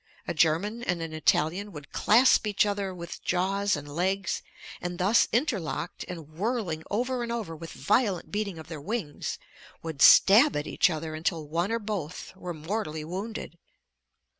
A German and an Italian would clasp each other with jaws and legs, and thus interlocked and whirling over and over with violent beating of their wings would stab at each other until one or both were mortally wounded.